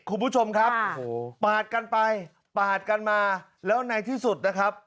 คุณผู้ชมครับโอ้โหปาดกันไปปาดกันมาแล้วในที่สุดนะครับ